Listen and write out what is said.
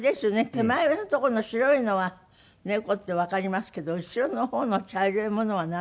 手前のとこの白いのは猫ってわかりますけど後ろの方の茶色いものはなんですかね？